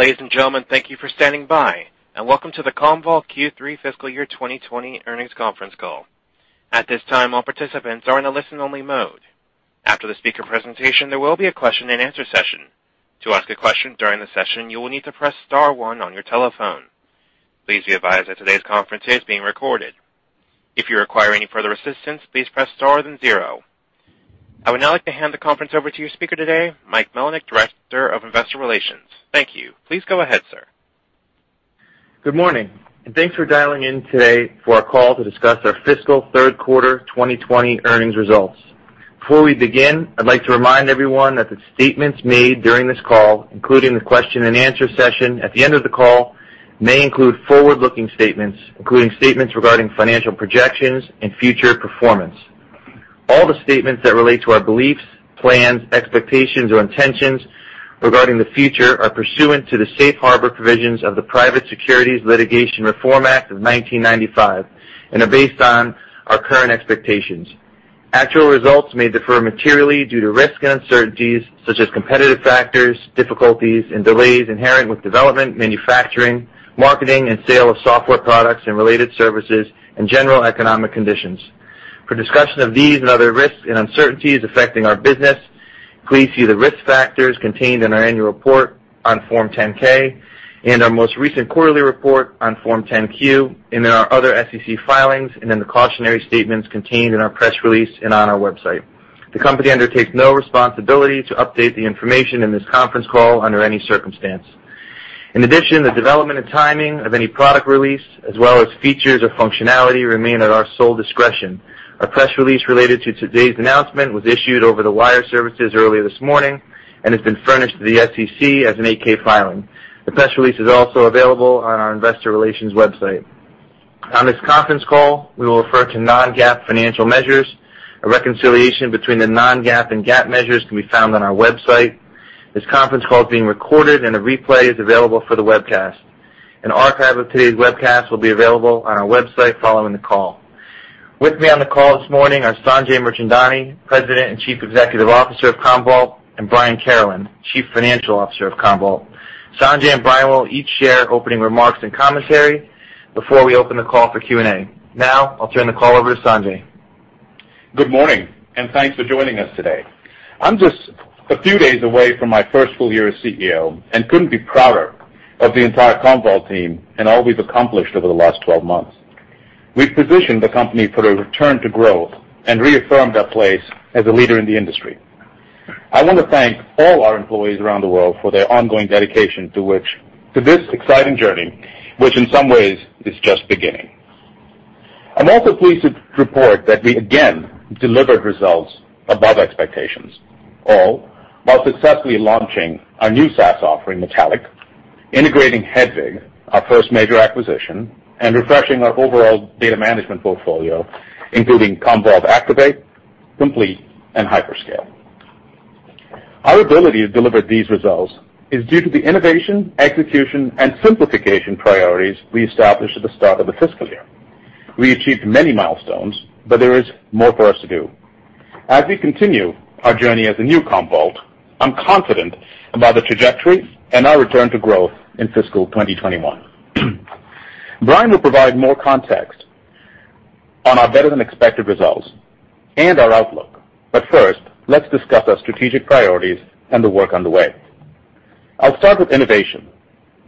Ladies and gentlemen, thank you for standing by, welcome to the Commvault Q3 Fiscal Year 2020 Earnings Conference Call. At this time, all participants are in a listen-only mode. After the speaker presentation, there will be a question and answer session. To ask a question during the session, you will need to press star one on your telephone. Please be advised that today's conference is being recorded. If you require any further assistance, please press star then zero. I would now like to hand the conference over to your speaker today, Mike Melnyk, Director of Investor Relations. Thank you. Please go ahead, sir. Good morning. Thanks for dialing in today for our call to discuss our fiscal third quarter 2020 earnings results. Before we begin, I'd like to remind everyone that the statements made during this call, including the question and answer session at the end of the call, may include forward-looking statements, including statements regarding financial projections and future performance. All the statements that relate to our beliefs, plans, expectations, or intentions regarding the future are pursuant to the safe harbor provisions of the Private Securities Litigation Reform Act of 1995 and are based on our current expectations. Actual results may differ materially due to risks and uncertainties such as competitive factors, difficulties, and delays inherent with development, manufacturing, marketing, and sale of software products and related services and general economic conditions. For discussion of these and other risks and uncertainties affecting our business, please see the risk factors contained in our annual report on Form 10-K and our most recent quarterly report on Form 10-Q, and in our other SEC filings, and in the cautionary statements contained in our press release and on our website. The company undertakes no responsibility to update the information in this conference call under any circumstance. In addition, the development and timing of any product release, as well as features or functionality, remain at our sole discretion. Our press release related to today's announcement was issued over the wire services earlier this morning and has been furnished to the SEC as an 8-K filing. The press release is also available on our investor relations website. On this conference call, we will refer to non-GAAP financial measures. A reconciliation between the non-GAAP and GAAP measures can be found on our website. This conference call is being recorded and a replay is available for the webcast. An archive of today's webcast will be available on our website following the call. With me on the call this morning are Sanjay Mirchandani, President and Chief Executive Officer of Commvault, and Brian Carolan, Chief Financial Officer of Commvault. Sanjay and Brian will each share opening remarks and commentary before we open the call for Q&A. Now, I'll turn the call over to Sanjay. Good morning, thanks for joining us today. I'm just a few days away from my first full year as CEO and couldn't be prouder of the entire Commvault team and all we've accomplished over the last 12 months. We've positioned the company for the return to growth and reaffirmed our place as a leader in the industry. I want to thank all our employees around the world for their ongoing dedication to this exciting journey, which in some ways is just beginning. I'm also pleased to report that we again delivered results above expectations, all while successfully launching our new SaaS offering, Metallic, integrating Hedvig, our first major acquisition, and refreshing our overall data management portfolio, including Commvault Activate, Complete, and HyperScale. Our ability to deliver these results is due to the innovation, execution, and simplification priorities we established at the start of the fiscal year. We achieved many milestones, but there is more for us to do. As we continue our journey as the new Commvault, I'm confident about the trajectory and our return to growth in fiscal 2021. Brian will provide more context on our better-than-expected results and our outlook. First, let's discuss our strategic priorities and the work underway. I'll start with innovation,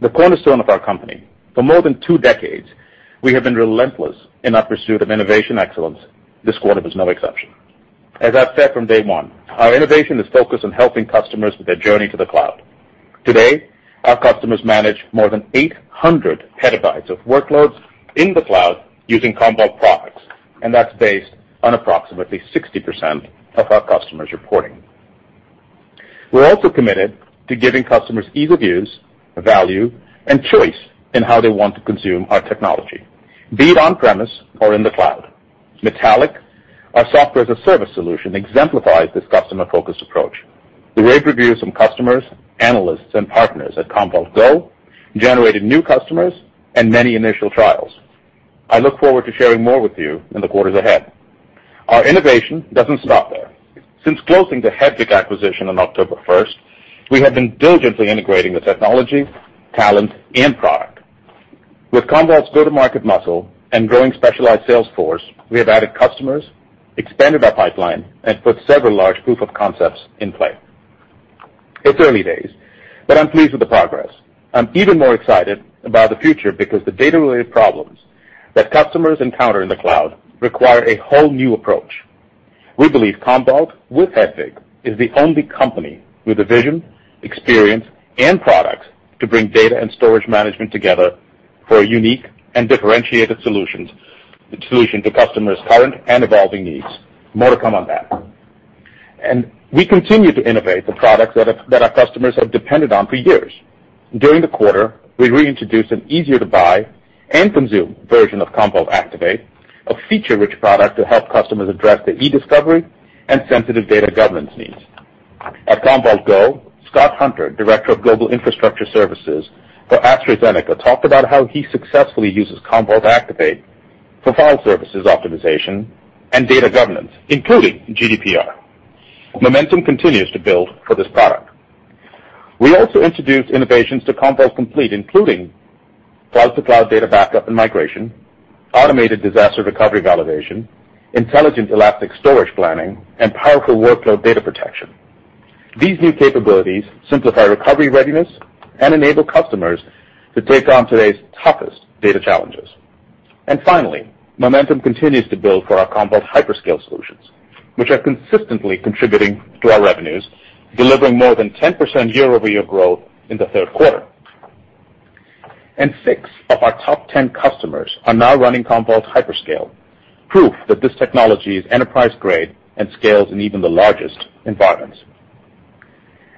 the cornerstone of our company. For more than two decades, we have been relentless in our pursuit of innovation excellence. This quarter was no exception. As I've said from day one, our innovation is focused on helping customers with their journey to the cloud. Today, our customers manage more than 800 TB of workloads in the cloud using Commvault products, and that's based on approximately 60% of our customers reporting. We're also committed to giving customers ease of use, value, and choice in how they want to consume our technology, be it on-premise or in the cloud. Metallic, our software-as-a-service solution, exemplifies this customer-focused approach. The rave reviews from customers, analysts, and partners at Commvault GO generated new customers and many initial trials. I look forward to sharing more with you in the quarters ahead. Our innovation doesn't stop there. Since closing the Hedvig acquisition on October first, we have been diligently integrating the technology, talent, and product. With Commvault's go-to-market muscle and growing specialized sales force, we have added customers, expanded our pipeline, and put several large proof of concepts in play. It's early days, but I'm pleased with the progress. I'm even more excited about the future because the data-related problems that customers encounter in the cloud require a whole new approach. We believe Commvault, with Hedvig, is the only company with the vision, experience, and products to bring data and storage management together for a unique and differentiated solution to customers' current and evolving needs. More to come on that. We continue to innovate the products that our customers have depended on for years. During the quarter, we reintroduced an easier-to-buy and consume version of Commvault Activate, a feature-rich product to help customers address their e-discovery and sensitive data governance needs. At Commvault GO, Scott Hunter, Director of Global Infrastructure Services for AstraZeneca, talked about how he successfully uses Commvault Activate for file services optimization and data governance, including GDPR. Momentum continues to build for this product. We also introduced innovations to Commvault Complete, including cloud-to-cloud data backup and migration, automated disaster recovery validation, intelligent elastic storage planning, and powerful workload data protection. These new capabilities simplify recovery readiness and enable customers to take on today's toughest data challenges. Finally, momentum continues to build for our Commvault HyperScale solutions, which are consistently contributing to our revenues, delivering more than 10% year-over-year growth in the third quarter. Six of our top 10 customers are now running Commvault HyperScale, proof that this technology is enterprise-grade and scales in even the largest environments.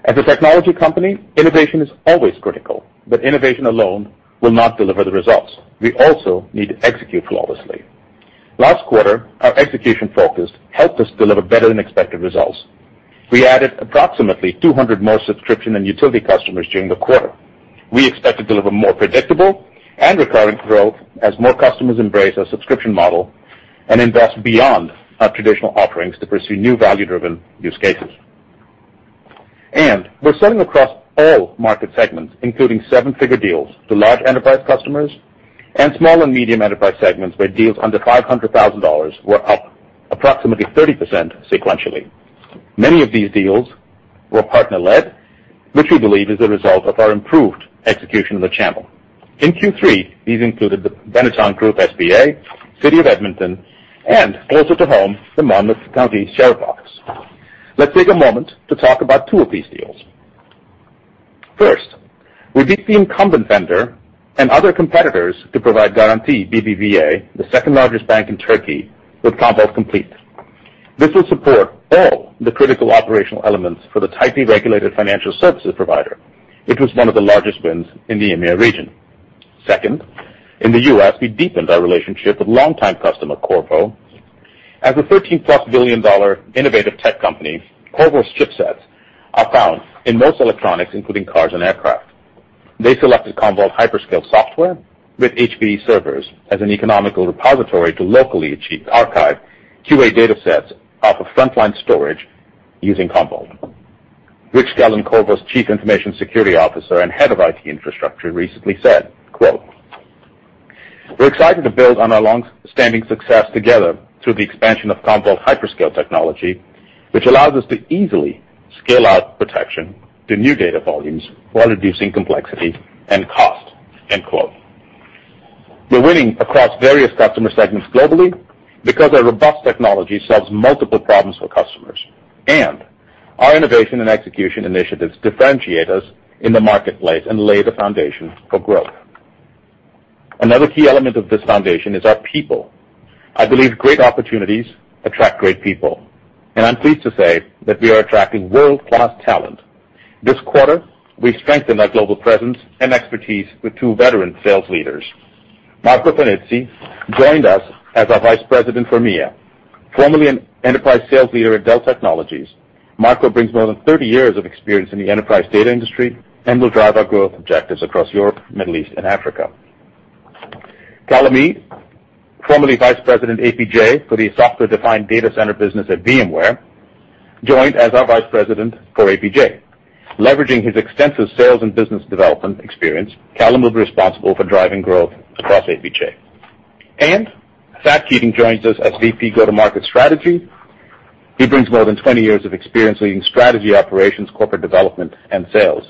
As a technology company, innovation is always critical, but innovation alone will not deliver the results. We also need to execute flawlessly. Last quarter, our execution focus helped us deliver better-than-expected results. We added approximately 200 more subscription and utility customers during the quarter. We expect to deliver more predictable and recurring growth as more customers embrace our subscription model and invest beyond our traditional offerings to pursue new value-driven use cases. We're selling across all market segments, including seven-figure deals to large enterprise customers and small and medium enterprise segments, where deals under $500,000 were up approximately 30% sequentially. Many of these deals were partner-led, which we believe is a result of our improved execution of the channel. In Q3, these included the Benetton Group S.p.A., City of Edmonton, and closer to home, the Monmouth County Sheriff's Office. Let's take a moment to talk about two of these deals. First, we beat the incumbent vendor and other competitors to provide Garanti BBVA, the second-largest bank in Turkey, with Commvault Complete. This will support all the critical operational elements for the tightly regulated financial services provider. It was one of the largest wins in the EMEA region. Second, in the U.S., we deepened our relationship with longtime customer Qorvo. As a $13 billion+ innovative tech company, Qorvo chipsets are found in most electronics, including cars and aircraft. They selected Commvault HyperScale software with HPE servers as an economical repository to locally achieve archive QA data sets off of frontline storage using Commvault. Rich Kellen, Qorvo's Chief Information Security Officer and Head of IT Infrastructure, recently said: We're excited to build on our long-standing success together through the expansion of Commvault HyperScale technology, which allows us to easily scale out protection to new data volumes while reducing complexity and cost. We're winning across various customer segments globally because our robust technology solves multiple problems for customers. Our innovation and execution initiatives differentiate us in the marketplace and lay the foundation for growth. Another key element of this foundation is our people. I believe great opportunities attract great people, and I'm pleased to say that we are attracting world-class talent. This quarter, we strengthened our global presence and expertise with two veteran sales leaders. Marco Fanizzi joined us as our Vice President for EMEA. Formerly an enterprise sales leader at Dell Technologies, Marco brings more than 30 years of experience in the enterprise data industry and will drive our growth objectives across Europe, Middle East, and Africa. Callum Eade, formerly Vice President APJ for the software-defined data center business at VMware, joined as our Vice President for APJ. Leveraging his extensive sales and business development experience, Callum will be responsible for driving growth across APJ. Thad Keating joins us as VP go-to-market strategy. He brings more than 20 years of experience leading strategy operations, corporate development, and sales.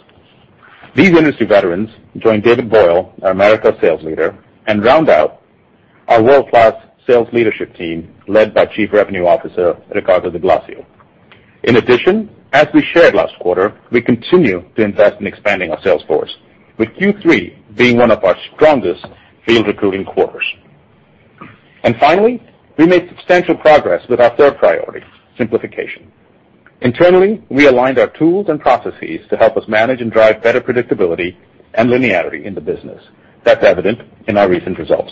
These industry veterans join David Boyle, our Americas sales leader, and round out our world-class sales leadership team, led by Chief Revenue Officer Riccardo Di Blasio. In addition, as we shared last quarter, we continue to invest in expanding our sales force, with Q3 being one of our strongest field recruiting quarters. Finally, we made substantial progress with our third priority, simplification. Internally, we aligned our tools and processes to help us manage and drive better predictability and linearity in the business. That's evident in our recent results.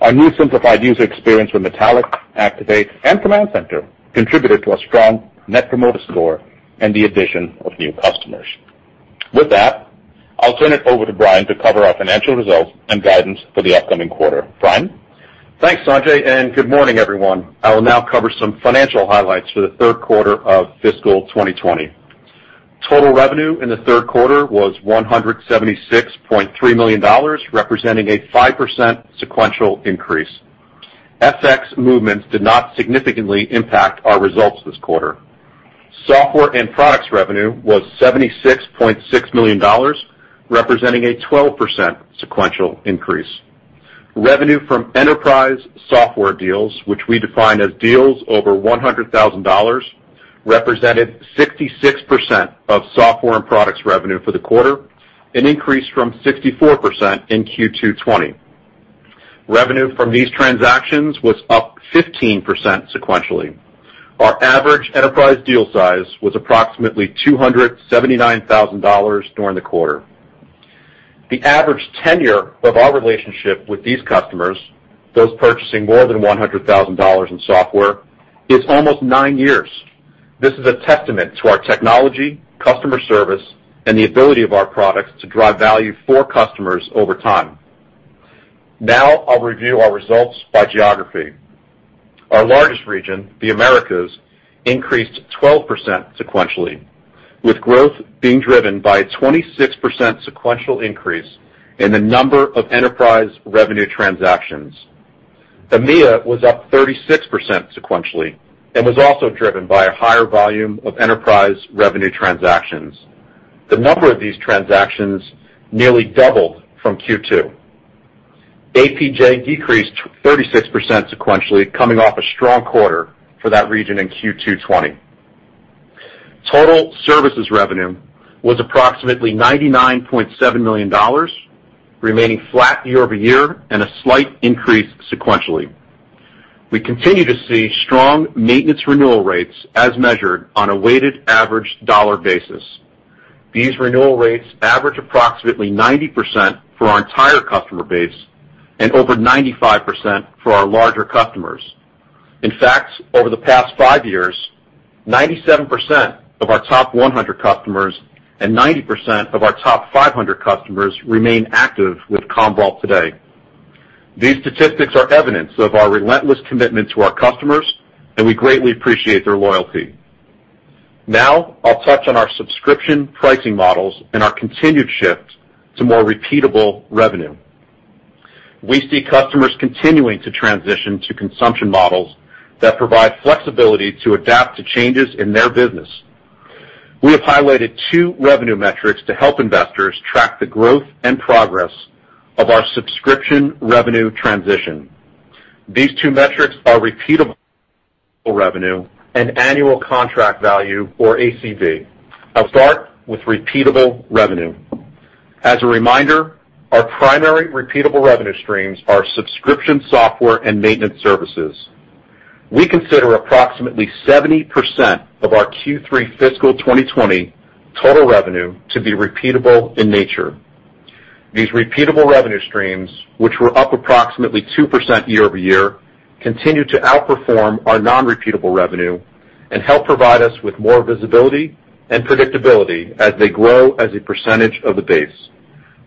Our new simplified user experience with Metallic, Activate, and Command Center contributed to a strong Net Promoter Score and the addition of new customers. With that, I'll turn it over to Brian to cover our financial results and guidance for the upcoming quarter. Brian? Thanks, Sanjay, and good morning, everyone. I will now cover some financial highlights for the third quarter of fiscal 2020. Total revenue in the third quarter was $176.3 million, representing a 5% sequential increase. FX movements did not significantly impact our results this quarter. Software and products revenue was $76.6 million, representing a 12% sequential increase. Revenue from enterprise software deals, which we define as deals over $100,000, represented 66% of software and products revenue for the quarter, an increase from 64% in Q2 2020. Revenue from these transactions was up 15% sequentially. Our average enterprise deal size was approximately $279,000 during the quarter. The average tenure of our relationship with these customers, those purchasing more than $100,000 in software, is almost nine years. This is a testament to our technology, customer service, and the ability of our products to drive value for customers over time. Now I'll review our results by geography. Our largest region, the Americas, increased 12% sequentially, with growth being driven by a 26% sequential increase in the number of enterprise revenue transactions. EMEA was up 36% sequentially and was also driven by a higher volume of enterprise revenue transactions. The number of these transactions nearly doubled from Q2. APJ decreased 36% sequentially, coming off a strong quarter for that region in Q2 2020. Total services revenue was approximately $99.7 million, remaining flat year-over-year and a slight increase sequentially. We continue to see strong maintenance renewal rates as measured on a weighted average dollar basis. These renewal rates average approximately 90% for our entire customer base and over 95% for our larger customers. In fact, over the past five years, 97% of our top 100 customers and 90% of our top 500 customers remain active with Commvault today. These statistics are evidence of our relentless commitment to our customers, and we greatly appreciate their loyalty. Now, I'll touch on our subscription pricing models and our continued shift to more repeatable revenue. We see customers continuing to transition to consumption models that provide flexibility to adapt to changes in their business. We have highlighted two revenue metrics to help investors track the growth and progress of our subscription revenue transition. These two metrics are repeatable revenue and annual contract value, or ACV. I'll start with repeatable revenue. As a reminder, our primary repeatable revenue streams are subscription software and maintenance services. We consider approximately 70% of our Q3 fiscal 2020 total revenue to be repeatable in nature. These repeatable revenue streams, which were up approximately 2% year-over-year, continue to outperform our non-repeatable revenue and help provide us with more visibility and predictability as they grow as a percentage of the base.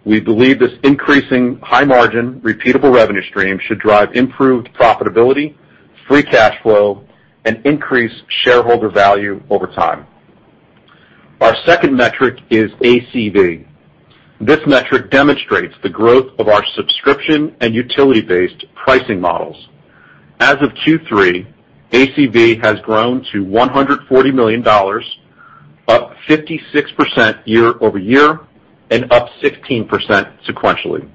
We believe this increasing high margin repeatable revenue stream should drive improved profitability, free cash flow, and increase shareholder value over time. Our second metric is ACV. This metric demonstrates the growth of our subscription and utility-based pricing models. As of Q3, ACV has grown to $140 million, up 56% year-over-year and up 16% sequentially.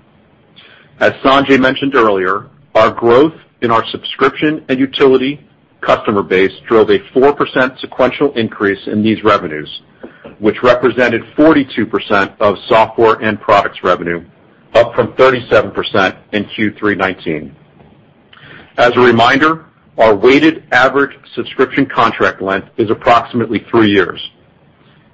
As Sanjay mentioned earlier, our growth in our subscription and utility customer base drove a 4% sequential increase in these revenues, which represented 42% of software and products revenue, up from 37% in Q3 2019. As a reminder, our weighted average subscription contract length is approximately three years.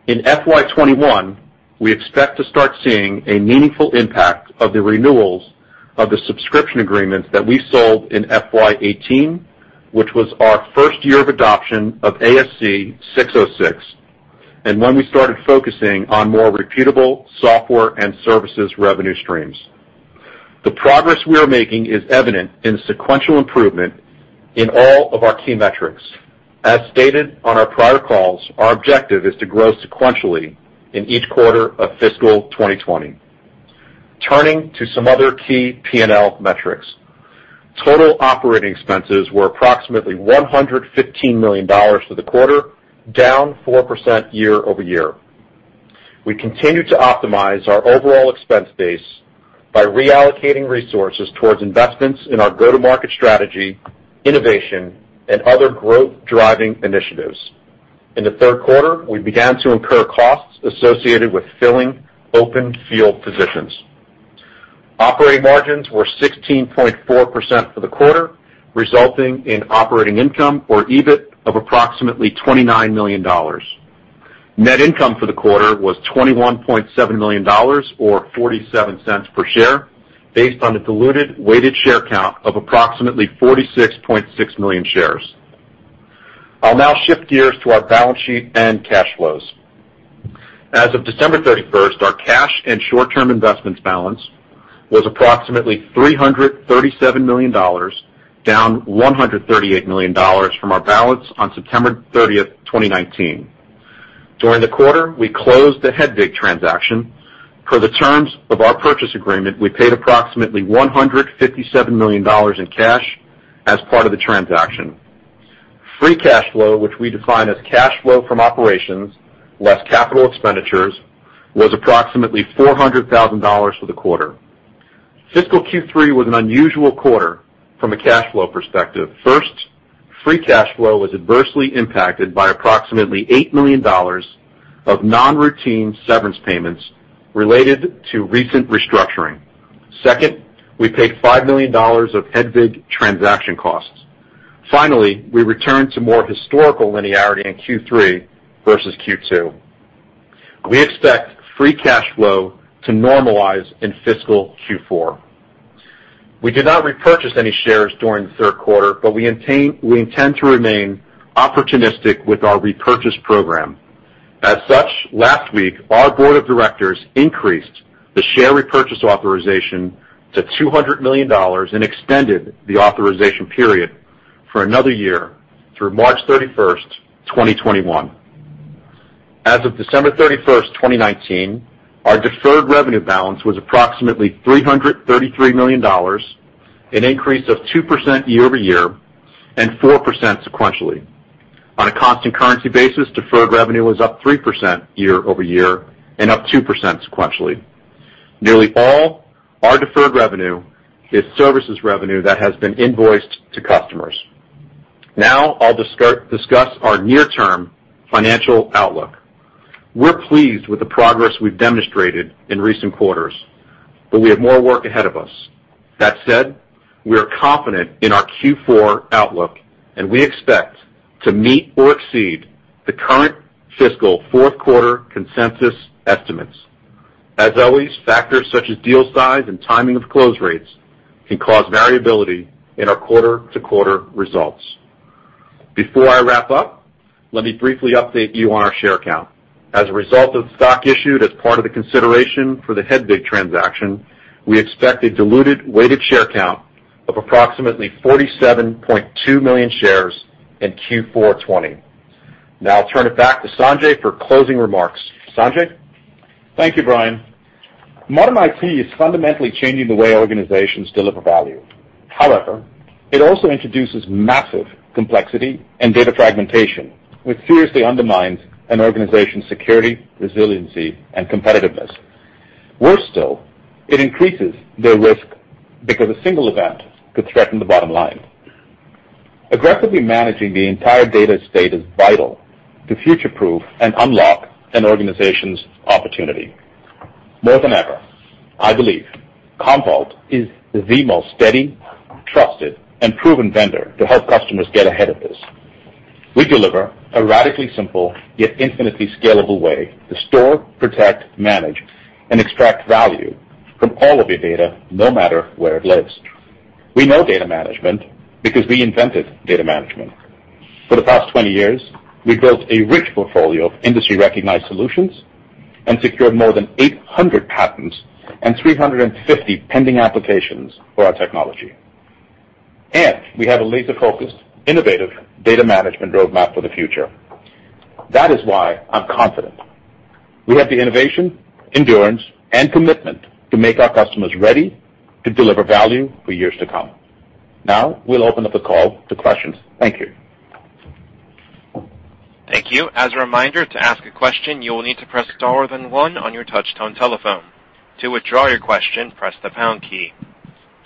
In FY 2021, we expect to start seeing a meaningful impact of the renewals of the subscription agreements that we sold in FY 2018, which was our first year of adoption of ASC 606, and when we started focusing on more repeatable software and services revenue streams. The progress we are making is evident in sequential improvement in all of our key metrics. As stated on our prior calls, our objective is to grow sequentially in each quarter of fiscal 2020. Turning to some other key P&L metrics. Total operating expenses were approximately $115 million for the quarter, down 4% year-over-year. We continue to optimize our overall expense base by reallocating resources towards investments in our go-to-market strategy, innovation, and other growth-driving initiatives. In the third quarter, we began to incur costs associated with filling open field positions. Operating margins were 16.4% for the quarter, resulting in operating income or EBIT of approximately $29 million. Net income for the quarter was $21.7 million, or $0.47 per share, based on the diluted weighted share count of approximately 46.6 million shares. I'll now shift gears to our balance sheet and cash flows. As of December 31st, our cash and short-term investments balance was approximately $337 million, down $138 million from our balance on September 30th, 2019. During the quarter, we closed the Hedvig transaction. Per the terms of our purchase agreement, we paid approximately $157 million in cash as part of the transaction. Free cash flow, which we define as cash flow from operations less capital expenditures, was approximately $400,000 for the quarter. Fiscal Q3 was an unusual quarter from a cash flow perspective. Free cash flow was adversely impacted by approximately $8 million of non-routine severance payments related to recent restructuring. We paid $5 million of Hedvig transaction costs. We returned to more historical linearity in Q3 versus Q2. We expect free cash flow to normalize in fiscal Q4. We did not repurchase any shares during the third quarter, we intend to remain opportunistic with our repurchase program. Last week, our board of directors increased the share repurchase authorization to $200 million and extended the authorization period for another year through March 31st, 2021. As of December 31st, 2019, our deferred revenue balance was approximately $333 million, an increase of 2% year-over-year and 4% sequentially. On a constant currency basis, deferred revenue was up 3% year-over-year and up 2% sequentially. Nearly all our deferred revenue is services revenue that has been invoiced to customers. Now, I'll discuss our near-term financial outlook. We're pleased with the progress we've demonstrated in recent quarters, but we have more work ahead of us. That said, we are confident in our Q4 outlook, and we expect to meet or exceed the current fiscal fourth quarter consensus estimates. As always, factors such as deal size and timing of close rates can cause variability in our quarter-to-quarter results. Before I wrap up, let me briefly update you on our share count. As a result of stock issued as part of the consideration for the Hedvig transaction, we expect a diluted weighted share count of approximately 47.2 million shares in Q4 2020. Now I'll turn it back to Sanjay for closing remarks. Sanjay? Thank you, Brian. Modern IT is fundamentally changing the way organizations deliver value. It also introduces massive complexity and data fragmentation, which seriously undermines an organization's security, resiliency, and competitiveness. Worse still, it increases their risk because a single event could threaten the bottom line. Aggressively managing the entire data estate is vital to future-proof and unlock an organization's opportunity. More than ever, I believe Commvault is the most steady, trusted, and proven vendor to help customers get ahead of this. We deliver a radically simple, yet infinitely scalable way to store, protect, manage, and extract value from all of your data, no matter where it lives. We know data management because we invented data management. For the past 20 years, we've built a rich portfolio of industry-recognized solutions and secured more than 800 patents and 350 pending applications for our technology. We have a laser-focused, innovative data management roadmap for the future. That is why I'm confident. We have the innovation, endurance, and commitment to make our customers ready to deliver value for years to come. We'll open up the call to questions. Thank you. Thank you. As a reminder, to ask a question, you will need to press star then one on your touch-tone telephone. To withdraw your question, press the pound key.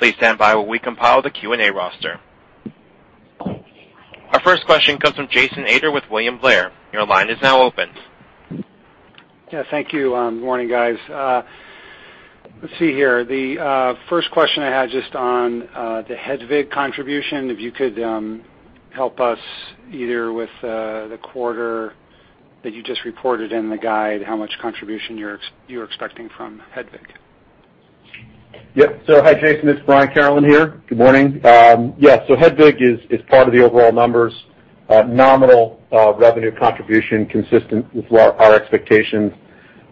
Please stand by while we compile the Q&A roster. Our first question comes from Jason Ader with William Blair. Your line is now open. Yeah, thank you. Morning, guys. Let's see here. The first question I had just on the Hedvig contribution, if you could help us either with the quarter that you just reported in the guide, how much contribution you're expecting from Hedvig? Yep. Hi, Jason, it's Brian Carolan here. Good morning. Yeah, Hedvig is part of the overall numbers. Nominal revenue contribution consistent with our expectations.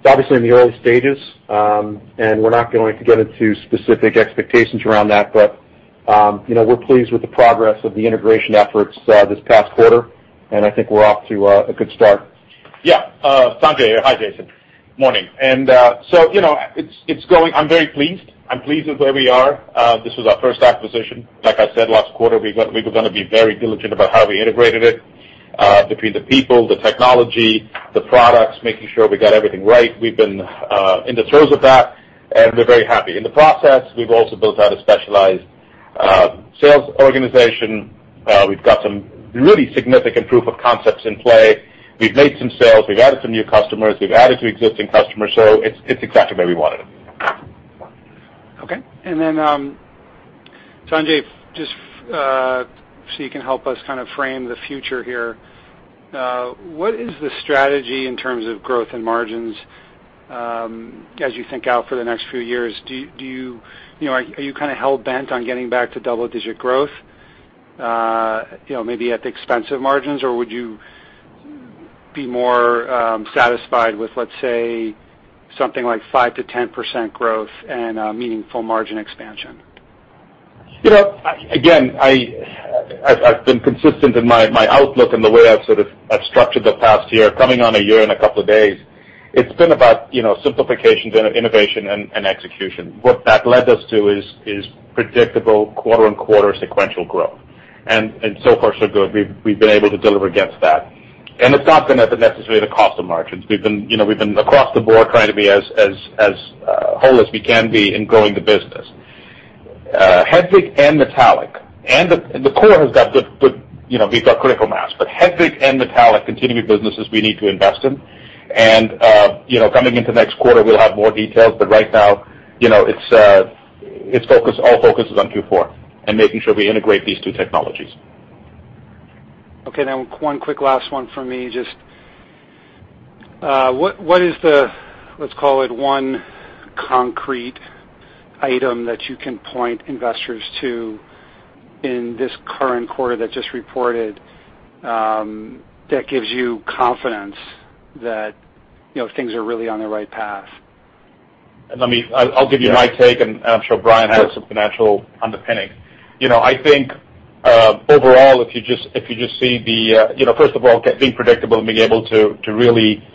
It's obviously in the early stages, and we're not going to get into specific expectations around that, but we're pleased with the progress of the integration efforts this past quarter, and I think we're off to a good start. Yeah. Sanjay here. Hi, Jason. Morning. I'm very pleased. I'm pleased with where we are. This was our first acquisition. Like I said last quarter, we were going to be very diligent about how we integrated it, between the people, the technology, the products, making sure we got everything right. We've been in the throes of that, and we're very happy. In the process, we've also built out a specialized sales organization. We've got some really significant proof of concepts in play. We've made some sales. We've added some new customers. We've added to existing customers. It's exactly where we wanted it. Okay. Sanjay, just so you can help us kind of frame the future here. What is the strategy in terms of growth and margins, as you think out for the next few years? Are you hell-bent on getting back to double-digit growth maybe at the expense of margins? Or would you be more satisfied with, let's say, something like 5%-10% growth and a meaningful margin expansion? Again, I've been consistent in my outlook and the way I've sort of structured the past year. Coming on a year and a couple of days, it's been about simplification, innovation, and execution. What that led us to is predictable quarter-on-quarter sequential growth. So far, so good. We've been able to deliver against that. It's not been at the necessarily the cost of margins. We've been across the board trying to be as whole as we can be in growing the business. Hedvig and Metallic, and the core has got critical mass, but Hedvig and Metallic continue businesses we need to invest in. Coming into next quarter, we'll have more details, but right now all focus is on Q4 and making sure we integrate these two technologies. Okay, one quick last one for me. Just what is the, let's call it one concrete item that you can point investors to in this current quarter that just reported, that gives you confidence that things are really on the right path? I'll give you my take, and I'm sure Brian has some financial underpinning. I think, overall, first of all, being predictable and being able to really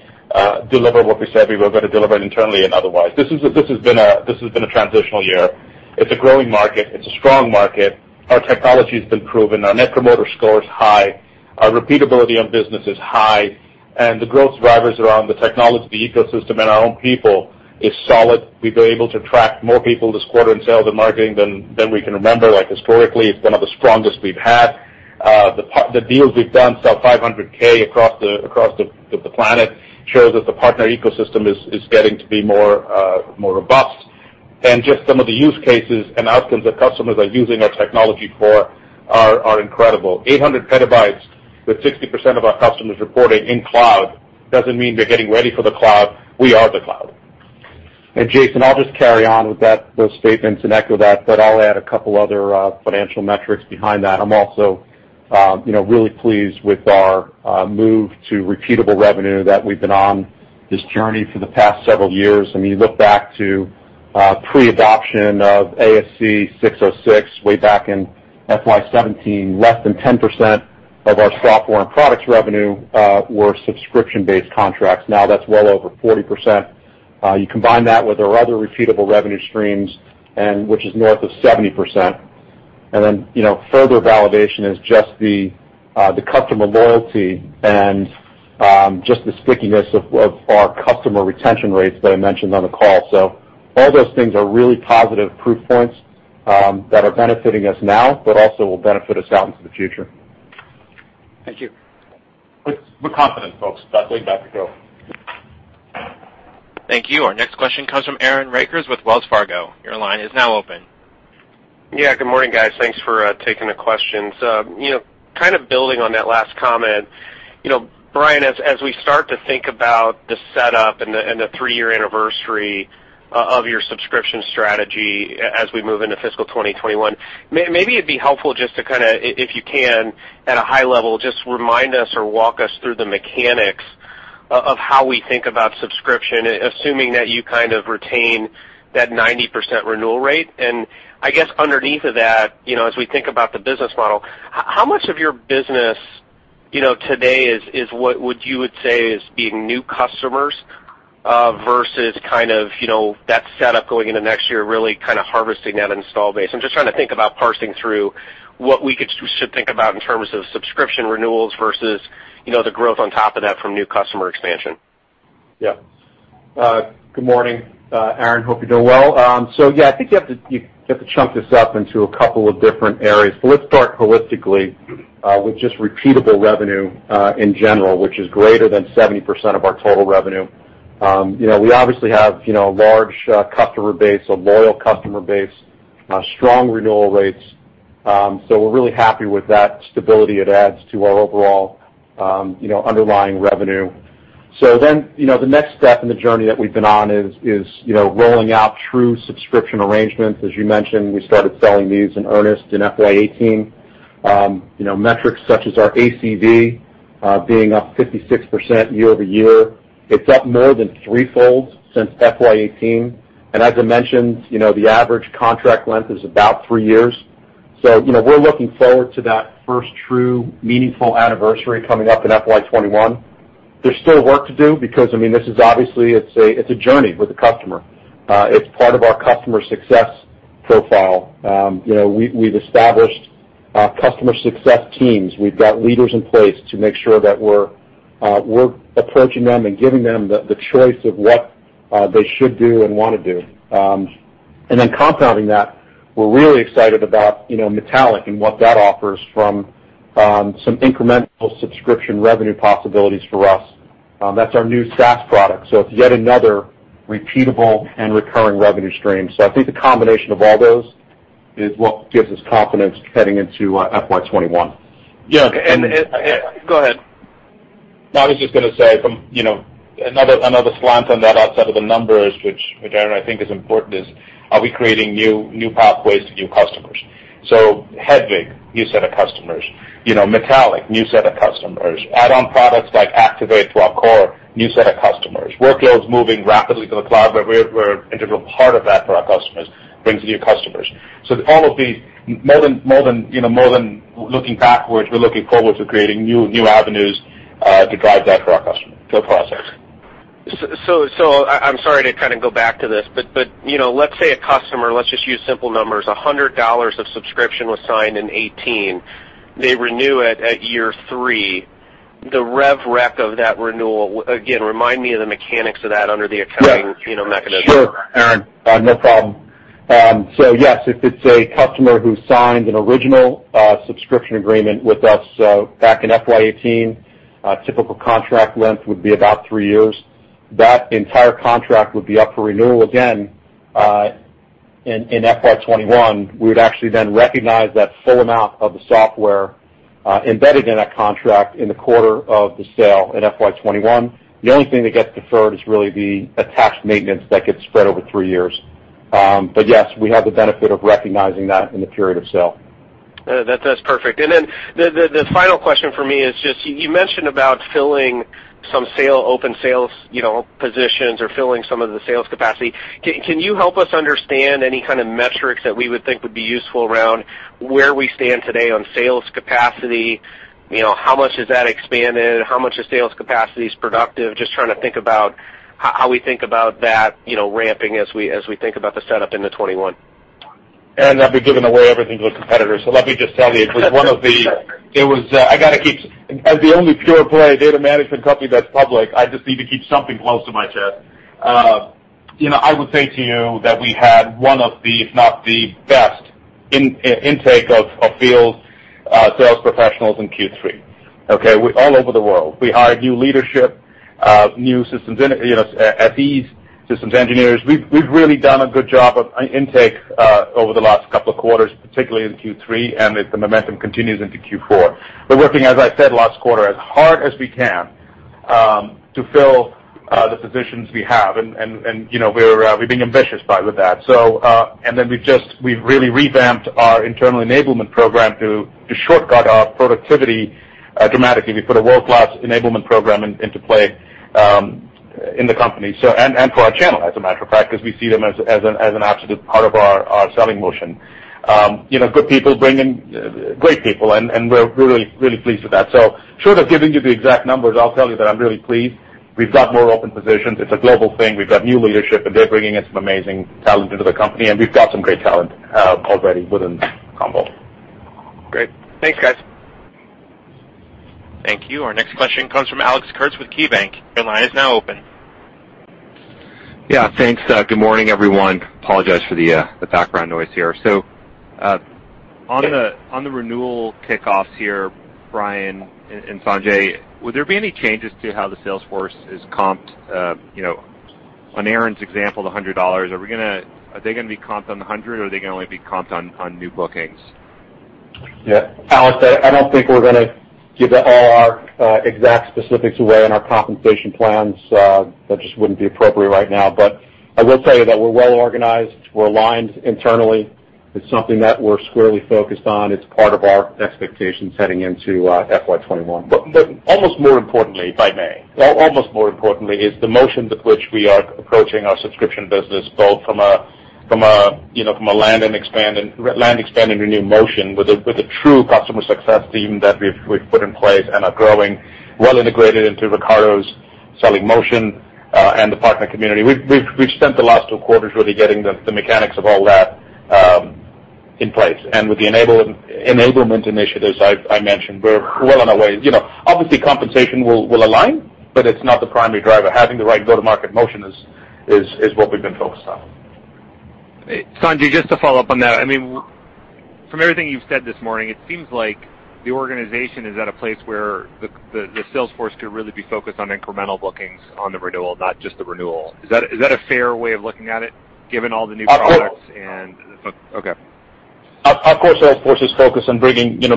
deliver what we said we were going to deliver internally and otherwise. This has been a transitional year. It's a growing market. It's a strong market. Our technology's been proven. Our Net Promoter Score is high. Our repeatability on business is high, and the growth drivers around the technology, the ecosystem, and our own people is solid. We've been able to attract more people this quarter in sales and marketing than we can remember, historically. It's been one of the strongest we've had. The deals we've done south $500,000 across the planet shows that the partner ecosystem is getting to be more robust. Just some of the use cases and outcomes that customers are using our technology for are incredible. A 800 TB, with 60% of our customers reporting in cloud, doesn't mean they're getting ready for the cloud. We are the cloud. Jason, I'll just carry on with those statements and echo that, but I'll add a couple other financial metrics behind that. I'm also really pleased with our move to repeatable revenue that we've been on this journey for the past several years. You look back to pre-adoption of ASC 606 way back in FY 2017, less than 10% of our software and products revenue were subscription-based contracts. Now that's well over 40%. You combine that with our other repeatable revenue streams, which is north of 70%. Then, you know, further validation is just the customer loyalty and just the stickiness of our customer retention rates that I mentioned on the call. All those things are really positive proof points that are benefiting us now, but also will benefit us out into the future. Thank you. We're confident, folks, about where we're about to go. Thank you. Our next question comes from Aaron Rakers with Wells Fargo. Your line is now open. Yeah, good morning, guys. Thanks for taking the questions. Kind of building on that last comment, you know, Brian, as we start to think about the setup and the three-year anniversary of your subscription strategy as we move into fiscal 2021, maybe it'd be helpful just to kind of, if you can, at a high level, just remind us or walk us through the mechanics of how we think about subscription, assuming that you kind of retain that 90% renewal rate? I guess underneath of that, you know, as we think about the business model, how much of your business today is what you would say is being new customers, versus kind of, you know, that setup going into next year, really kind of harvesting that install base? I'm just trying to think about parsing through what we should think about in terms of subscription renewals versus, you know, the growth on top of that from new customer expansion? Yeah. Good morning, Aaron. Hope you're doing well. I think you have to chunk this up into a couple of different areas. Let's start holistically with just repeatable revenue, in general, which is greater than 70% of our total revenue. We obviously have a large customer base, a loyal customer base, strong renewal rates. We're really happy with that stability it adds to our overall, you know, underlying revenue. The next step in the journey that we've been on is rolling out true subscription arrangements. As you mentioned, we started selling these in earnest in FY 2018. Metrics such as our ACV being up 56% year-over-year. It's up more than three-fold since FY 2018. As I mentioned, the average contract length is about three years. We're looking forward to that first true meaningful anniversary coming up in FY 2021. There's still work to do because it's a journey with the customer. It's part of our customer success profile. We've established customer success teams. We've got leaders in place to make sure that we're approaching them and giving them the choice of what they should do and want to do. Compounding that, we're really excited about Metallic and what that offers from some incremental subscription revenue possibilities for us. That's our new SaaS product, it's yet another repeatable and recurring revenue stream. I think the combination of all those is what gives us confidence heading into FY 2021. Yeah. Go ahead. I was just going to say from another slant on that outside of the numbers, which, Aaron, I think is important, is are we creating new pathways to new customers? Hedvig, new set of customers. Metallic, new set of customers. Add-on products like Activate to our core, new set of customers. Workloads moving rapidly to the cloud, we're an integral part of that for our customers, brings new customers. All of these, more than looking backwards, we're looking forwards. We're creating new avenues to drive that for our customers. Go process. I'm sorry to kind of go back to this, but, you know, let's say a customer, let's just use simple numbers, $100 of subscription was signed in 2018. They renew it at year three. The rev rec of that renewal, again, remind me of the mechanics of that under the accounting mechanism. Sure, Aaron, no problem. Yes, if it's a customer who signed an original subscription agreement with us back in FY 2018, a typical contract length would be about three years. That entire contract would be up for renewal again in. In FY 2021, we would actually recognize that full amount of the software embedded in that contract in the quarter of the sale in FY 2021. The only thing that gets deferred is really the attached maintenance that gets spread over three years. Yes, we have the benefit of recognizing that in the period of sale. That's perfect. Then the final question for me is just, you mentioned about filling some open sales positions or filling some of the sales capacity. Can you help us understand any kind of metrics that we would think would be useful around where we stand today on sales capacity? How much has that expanded? How much of sales capacity is productive? Just trying to think about how we think about that ramping as we think about the setup into 2021. Aaron, I'd be giving away everything to a competitor, let me just tell you. As the only pure play data management company that's public, I just need to keep something close to my chest. I would say to you that we had one of the, if not the best intake of field sales professionals in Q3. Okay. All over the world. We hired new leadership, new SEs, systems engineers. We've really done a good job of intake over the last couple of quarters, particularly in Q3. The momentum continues into Q4. We're working, as I said last quarter, as hard as we can to fill the positions we have. We're being ambitious with that. We've really revamped our internal enablement program to shortcut our productivity dramatically. We put a world-class enablement program into play in the company, for our channel, as a matter of fact, because we see them as an absolute part of our selling motion. Good people bring in great people, we're really pleased with that. Short of giving you the exact numbers, I'll tell you that I'm really pleased. We've got more open positions. It's a global thing. We've got new leadership, they're bringing in some amazing talent into the company, we've got some great talent already within Commvault. Great. Thanks, guys. Thank you. Our next question comes from Alex Kurtz with KeyBanc. Your line is now open. Yeah, thanks. Good morning, everyone. Apologize for the background noise here. On the renewal kickoffs here, Brian and Sanjay, will there be any changes to how the sales force is comped? You know, on Aaron's example, the $100, are they going to be comped on the $100, or are they going to only be comped on new bookings? Yeah. Alex, I don't think we're going to give all our exact specifics away on our compensation plans. That just wouldn't be appropriate right now. I will tell you that we're well-organized. We're aligned internally. It's something that we're squarely focused on. It's part of our expectations heading into FY 2021. Almost more importantly, by May. Almost more importantly is the motion with which we are approaching our subscription business, both from a land and expand and renew motion, with a true customer success team that we've put in place and are growing, well integrated into Riccardo's selling motion, and the partner community. We've spent the last two quarters really getting the mechanics of all that in place. With the enablement initiatives I mentioned, we're well on our way. Obviously, compensation will align, but it's not the primary driver. Having the right go-to-market motion is what we've been focused on. Sanjay, just to follow up on that. From everything you've said this morning, it seems like the organization is at a place where the sales force could really be focused on incremental bookings on the renewal, not just the renewal. Is that a fair way of looking at it, given all the new products and? Of course. Okay. Of course, the whole force is focused on bringing the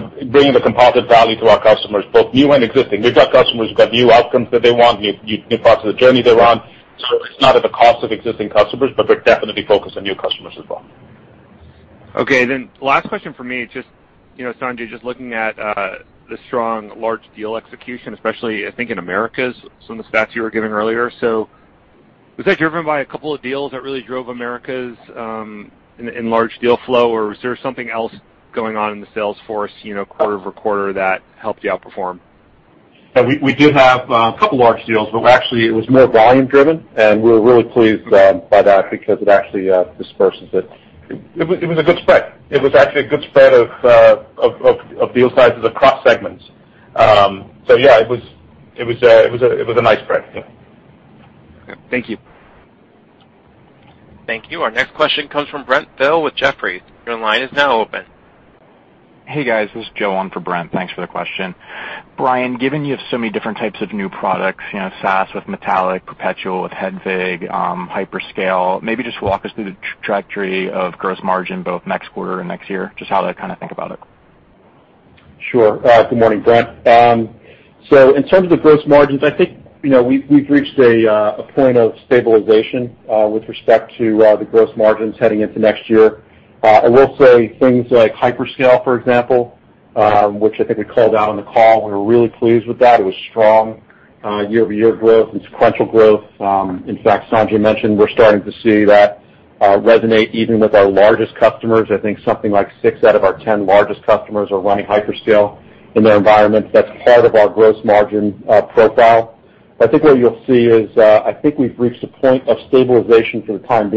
Commvault value to our customers, both new and existing. We've got customers who've got new outcomes that they want, new parts of the journey they're on. It's not at the cost of existing customers, but we're definitely focused on new customers as well. Last question for me, Sanjay, just looking at the strong large deal execution, especially, I think, in Americas, some of the stats you were giving earlier. Was that driven by a couple of deals that really drove Americas in large deal flow, or was there something else going on in the sales force quarter-over-quarter that helped you outperform? We did have a couple large deals, but actually it was more volume driven, and we're really pleased by that because it actually disperses it. It was a good spread. It was actually a good spread of deal sizes across segments. Yeah, it was a nice spread. Yeah. Okay. Thank you. Thank you. Our next question comes from Brent Thill with Jefferies. Your line is now open. Hey, guys, this is Joe on for Brent. Thanks for the question. Brian, given you have so many different types of new products, SaaS with Metallic, Perpetual with Hedvig, HyperScale, maybe just walk us through the trajectory of gross margin both next quarter and next year. Just how to think about it? Sure. Good morning, [Joe]. In terms of the gross margins, I think, you know, we've reached a point of stabilization with respect to the gross margins heading into next year. I will say things like HyperScale, for example, which I think we called out on the call, we were really pleased with that. It was strong year-over-year growth and sequential growth. In fact, Sanjay mentioned we're starting to see that resonate even with our largest customers. I think something like six out of our 10 largest customers are running HyperScale in their environments. That's part of our gross margin profile. I think what you'll see is I think we've reached a point of stabilization for the time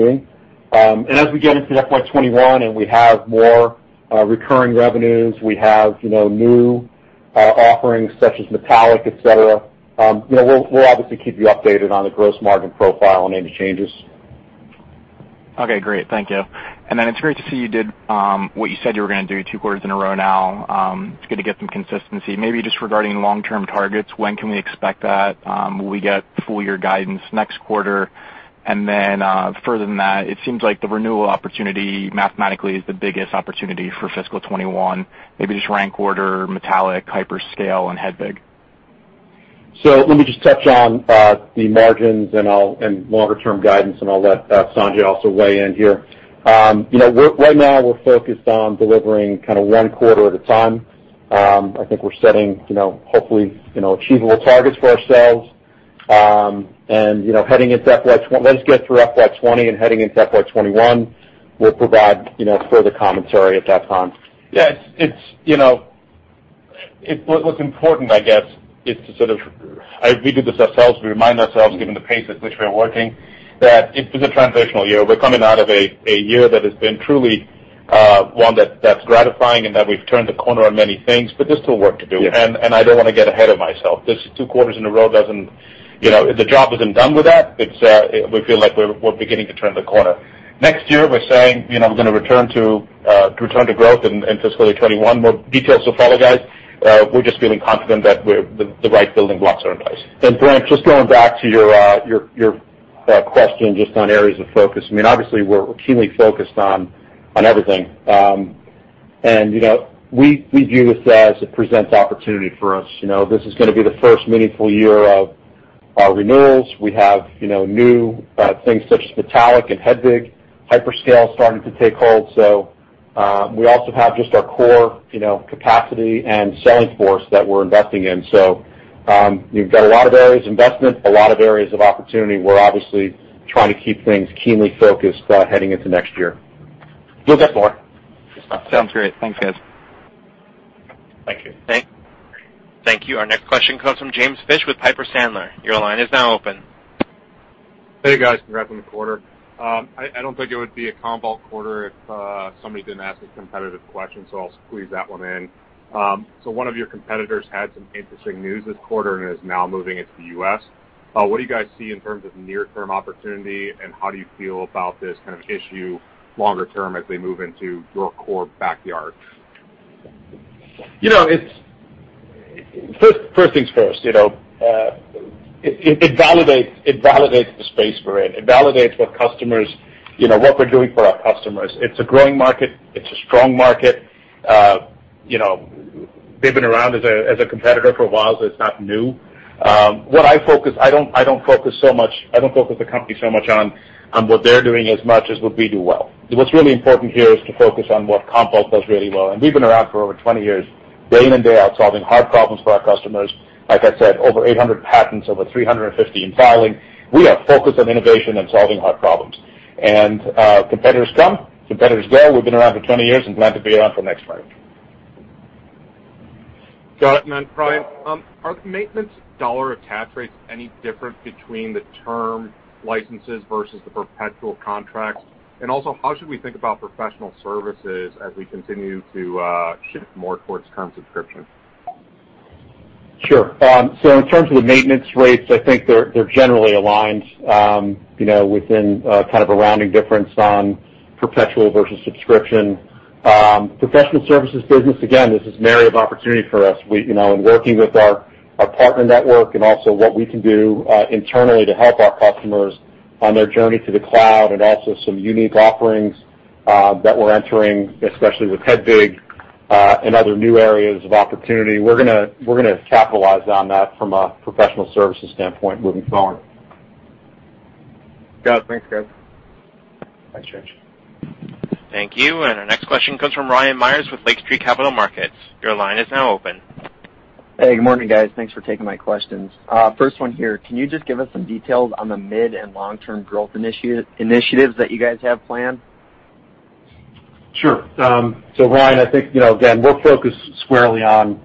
being.A s we get into FY 2021 and we have more recurring revenues, we have new offerings such as Metallic, et cetera, we'll obviously keep you updated on the gross margin profile and any changes. Okay, great. Thank you. It's great to see you did what you said you were going to do two quarters in a row now. It's good to get some consistency. Maybe just regarding long-term targets, when can we expect that? Will we get full year guidance next quarter? Further than that, it seems like the renewal opportunity mathematically is the biggest opportunity for fiscal 2021. Maybe just rank order Metallic, HyperScale, and Hedvig. Let me just touch on the margins and longer-term guidance, and I'll let Sanjay also weigh in here. Right now, we're focused on delivering one quarter at a time. I think we're setting, you know, hopefully, achievable targets for ourselves. Let us get through FY 2020 and heading into FY 2021. We'll provide further commentary at that time. Yes. You know, if were important, I guess, it's sort of—we do this ourselves. We remind ourselves, given the pace at which we're working, that it was a transitional year. We're coming out of a year that has been truly one that's gratifying and that we've turned a corner on many things, but there's still work to do. Yes. I don't want to get ahead of myself. This is two quarters in a row, the job isn't done with that. We feel like we're beginning to turn the corner. Next year, we're saying we're going to return to growth in fiscal 2021. More details to follow, guys. We're just feeling confident that the right building blocks are in place. [Joe], just going back to your question just on areas of focus. Obviously, we're keenly focused on everything. We view this as it presents opportunity for us. This is going to be the first meaningful year of our renewals. We have new things such as Metallic and Hedvig, HyperScale is starting to take hold. We also have just our core capacity and selling force that we're investing in. We've got a lot of areas investment, a lot of areas of opportunity. We're obviously trying to keep things keenly focused heading into next year. We'll get more this time. Sounds great. Thanks, guys. Thank you. Thank you. Thank you. Our next question comes from James Fish with Piper Sandler. Your line is now open. Hey, guys. Congrats on the quarter. I don't think it would be a Commvault quarter if somebody didn't ask a competitive question, so I'll squeeze that one in. One of your competitors had some interesting news this quarter and is now moving into the U.S.. What do you guys see in terms of near-term opportunity, and how do you feel about this kind of issue longer term as they move into your core backyard? First things first. It validates the space we're in. It validates what we're doing for our customers. It's a growing market. It's a strong market. They've been around as a competitor for a while, so it's not new. I don't focus the company so much on what they're doing as much as what we do well. What's really important here is to focus on what Commvault does really well, and we've been around for over 20 years, day in and day out, solving hard problems for our customers. Like I said, over 800 patents, over 350 in filing. We are focused on innovation and solving hard problems. Competitors come, competitors go. We've been around for 20 years and glad to be around for the next 20. Got it. Brian, are the maintenance dollar attach rates any different between the term licenses versus the perpetual contracts? How should we think about professional services as we continue to shift more towards term subscription? Sure. In terms of the maintenance rates, I think they're generally aligned within kind of a rounding difference on perpetual versus subscription. Professional services business, again, this is an area of opportunity for us. In working with our partner network and also what we can do internally to help our customers on their journey to the cloud and also some unique offerings that we're entering, especially with Hedvig and other new areas of opportunity. We're going to capitalize on that from a professional services standpoint moving forward. Got it. Thanks, guys. Thanks, James. Thank you. Our next question comes from Ryan Meyers with Lake Street Capital Markets. Your line is now open. Hey, good morning, guys. Thanks for taking my questions. First one here. Can you just give us some details on the mid and long-term growth initiatives that you guys have planned? Sure. Ryan, I think, again, we're focused squarely on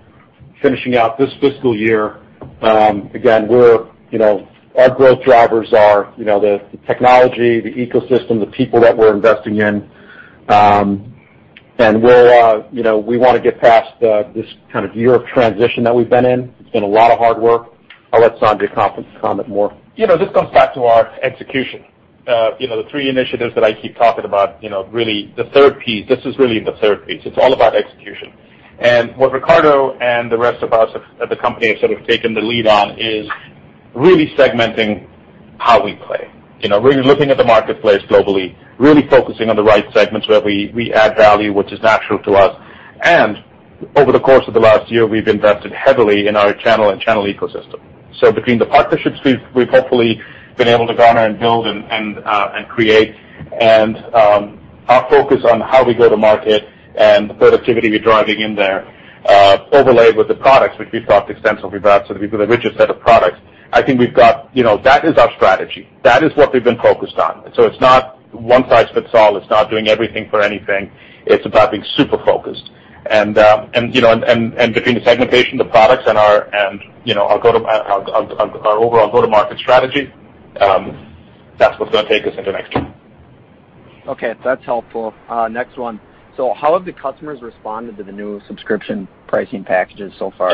finishing out this fiscal year. Our growth drivers are the technology, the ecosystem, the people that we're investing in. We want to get past this kind of year of transition that we've been in. It's been a lot of hard work. I'll let Sanjay comment more. This comes back to our execution. The three initiatives that I keep talking about, this is really the third piece. It's all about execution. What Riccardo and the rest of us at the company have sort of taken the lead on is really segmenting how we play. Really looking at the marketplace globally, really focusing on the right segments where we add value, which is natural to us. Over the course of the last year, we've invested heavily in our channel and channel ecosystem. Between the partnerships we've hopefully been able to garner and build and create, and our focus on how we go to market and the productivity we're driving in there, overlaid with the products, which we've talked extensively about, so we build a richer set of products. That is our strategy. That is what we've been focused on. It's not one size fits all, it's not doing everything for anything. It's about being super focused. Between the segmentation, the products, and our overall go-to-market strategy, that's what's going to take us into next year. Okay. That's helpful. Next one. How have the customers responded to the new subscription pricing packages so far?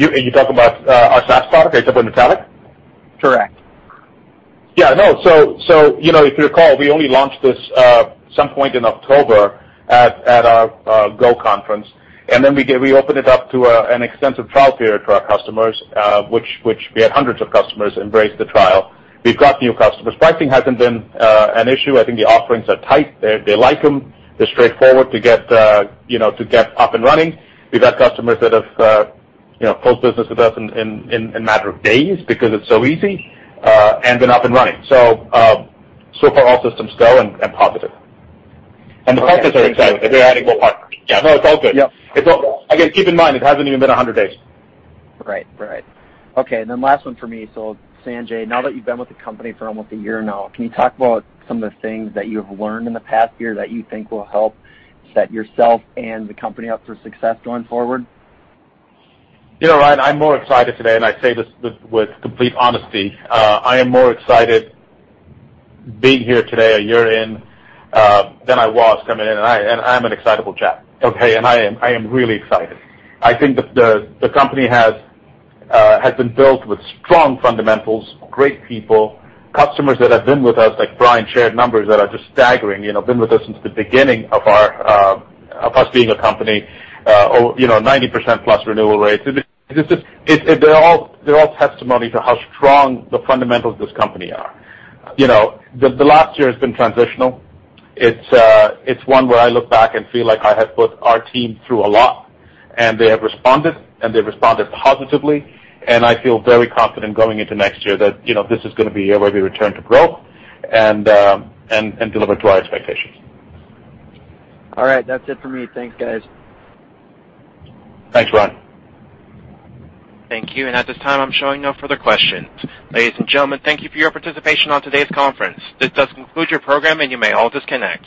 Are you talking about our SaaS product? Are you talking about Metallic? Correct. Yeah, no. If you recall, we only launched this at some point in October at our GO Conference, and then we opened it up to an extensive trial period for our customers, which we had hundreds of customers embrace the trial. We've got new customers. Pricing hasn't been an issue. I think the offerings are tight. They like them. They're straightforward to get up and running. We've had customers that have closed business with us in a matter of days because it's so easy and been up and running. Far all systems go and positive. The partners are excited that they're adding more partners. Yeah, no, it's all good. Yep. Again, keep in mind, it hasn't even been 100 days. Right. Okay, last one for me. Sanjay, now that you've been with the company for almost a year now, can you talk about some of the things that you've learned in the past year that you think will help set yourself and the company up for success going forward? Ryan, I'm more excited today. I say this with complete honesty. I am more excited being here today, a year in, than I was coming in. I'm an excitable chap, okay? I am really excited. I think the company has been built with strong fundamentals, great people, customers that have been with us, like Brian shared numbers that are just staggering, been with us since the beginning of us being a company, 90%+ renewal rates. They're all testimony to how strong the fundamentals of this company are. You know, last year has been transitional. It's one where I look back and feel like I have put our team through a lot, and they have responded, and they responded positively, and I feel very confident going into next year that this is going to be a year where we return to growth and deliver to our expectations. All right. That's it for me. Thanks, guys. Thanks, Ryan. Thank you. At this time, I'm showing no further questions. Ladies and gentlemen, thank you for your participation on today's conference. This does conclude your program, and you may all disconnect.